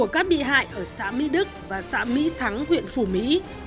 các bị hại ở xã mỹ đức và xã mỹ thắng huyện phù mỹ